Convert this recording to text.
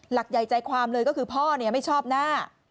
หลักใหญ่ใจความเลยก็คือพ่อไม่ชอบหน้า